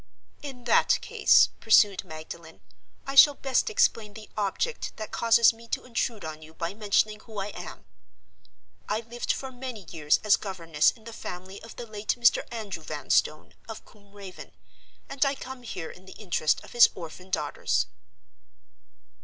"In that case," pursued Magdalen, "I shall best explain the object that causes me to intrude on you by mentioning who I am. I lived for many years as governess in the family of the late Mr. Andrew Vanstone, of Combe Raven, and I come here in the interest of his orphan daughters."